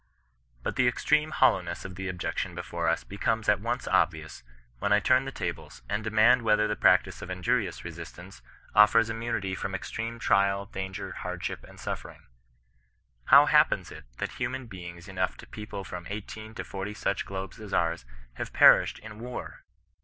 But the extreme hoUowness of the objection before us becomes at once obvious, when I turn the tables, and de mand whether the practice of injurious resistance oflfers immunity from extreme trial, danger, hardship, and suf fering ? How happens it that human beings enough to people from eighteen to forty such globes as ours, have perished in war